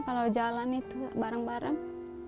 kalau jalan itu bareng bareng